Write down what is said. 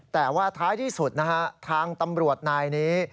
แต่ว่าท้ายที่สุดทางตำรวจหน้านี้